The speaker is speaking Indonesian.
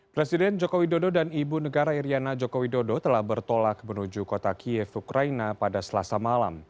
presiden jokowi dodo dan ibu negara iryana jokowi dodo telah bertolak menuju kota kiev ukraina pada selasa malam